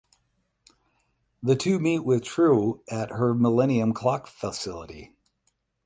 The two meet with Trieu at her Millennium Clock facility.